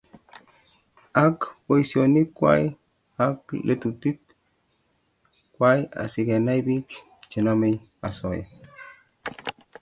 Ak boisionik kwai ak lelutik kwai asi Kenai bik chenomei osoya